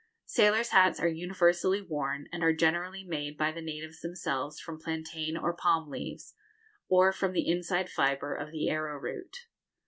Sailors' hats are universally worn, and are generally made by the natives themselves from plantain or palm leaves, or from the inside fibre of the arrowroot.